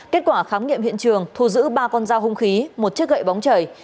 kết quả khám nghiệm hiện trường thu giữ ba con dao hung khí một chiếc gậy bóng chảy